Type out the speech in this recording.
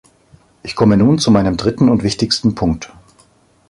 Ich komme nun zu meinem dritten und wichtigsten Punkt.